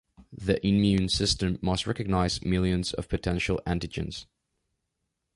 The immune system must recognize millions of potential antigens.